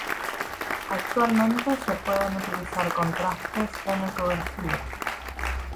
Actualmente se pueden utilizar contrastes en ecografía.